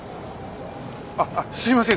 ああすいません